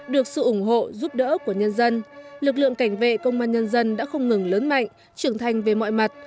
được sự ủng hộ giúp đỡ của nhân dân lực lượng cảnh vệ công an nhân dân đã không ngừng lớn mạnh trưởng thành về mọi mặt